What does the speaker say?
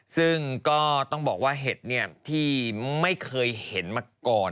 ซึ่งก็ต้องบอกว่าเห็ดที่ไม่เคยเห็นมาก่อน